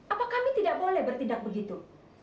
apa kami tidak boleh bertindak begitu